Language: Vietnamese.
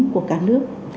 của cả nước